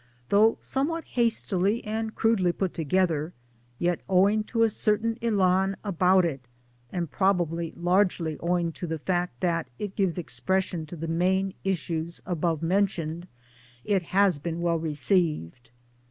Though somewhat hastily and crudely put together, yet owing to a certain elan about it, and probably largely owing to the fact that it gives expression to the main issues above men tioned, it has been well received.